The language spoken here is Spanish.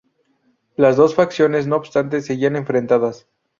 Las dos facciones, no obstante, seguían enfrentadas.